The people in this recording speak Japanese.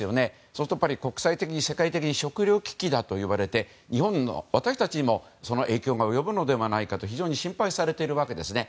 そうすると国際的に世界的に食糧危機だといわれて日本の私たちにも、その影響が及ぶのではないかと非常に心配されているわけですね。